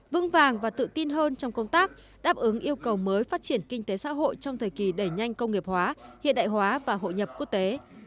vững vàng và tự tin hơn trong công tác đáp ứng yêu cầu mới phát triển kinh tế xã hội trong thời kỳ đẩy nhanh công nghiệp hóa hiện đại hóa và hội nhập quốc tế